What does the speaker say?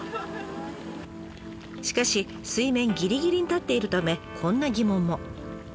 しかし水面ぎりぎりに立っているためこんな疑問も。